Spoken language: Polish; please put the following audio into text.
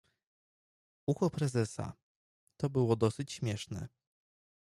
Ucho prezesa. To było dosyć śmieszne.